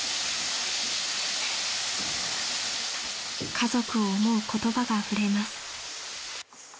［家族を思う言葉があふれます］